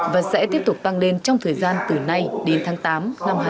và sẽ tiếp tục tăng lên trong thời gian từ nay đến tháng tám năm hai nghìn hai mươi